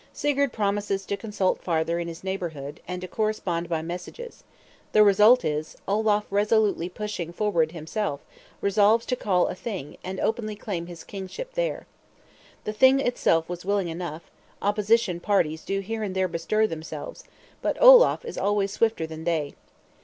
Sigurd promises to consult farther in his neighborhood, and to correspond by messages; the result is, Olaf resolutely pushing forward himself, resolves to call a Thing, and openly claim his kingship there. The Thing itself was willing enough: opposition parties do here and there bestir themselves; but Olaf is always swifter than they.